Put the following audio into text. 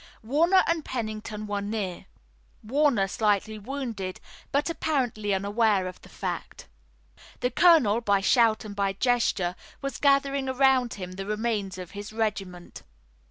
Warner and Pennington were near, Warner slightly wounded but apparently unaware of the fact. The colonel, by shout and by gesture, was gathering around him the remains of his regiment.